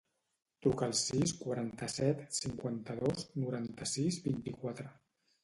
Truca al sis, quaranta-set, cinquanta-dos, noranta-sis, vint-i-quatre.